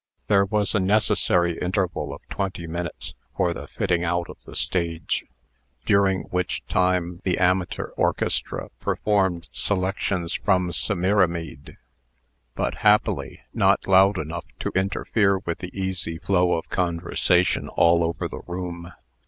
There was a necessary interval of twenty minutes for the fitting out of the stage during which time the amateur orchestra performed selections from "Semiramide," but, happily, not loud enough to interfere with the easy flow of conversation all over the room.